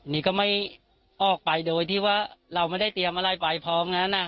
นี่ก็ไม่ออกไปโดยที่ว่าเราไม่ได้เตรียมอะไรไปพร้อมนั้น